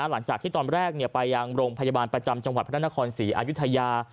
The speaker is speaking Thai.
หลังจากที่ตอนแรกไปยังโรงพยาบาลประจำจังหวัดพระนครศรีอายุทยา